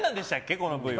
このＶは。